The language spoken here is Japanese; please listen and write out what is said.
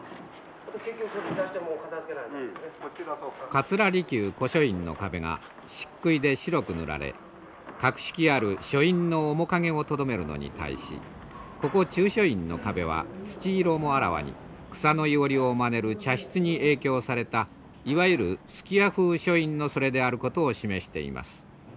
桂離宮古書院の壁が漆喰で白く塗られ格式ある書院の面影をとどめるのに対しここ中書院の壁は土色もあらわに草の庵をまねる茶室に影響されたいわゆる数寄屋風書院のそれであることを示しています。